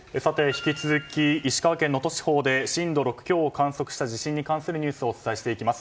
引き続き石川県能登地方で震度６強を観測した地震に関するニュースをお伝えしていきます。